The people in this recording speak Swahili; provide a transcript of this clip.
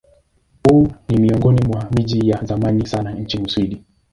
Huu ni miongoni mwa miji ya zamani sana nchini Uswidi.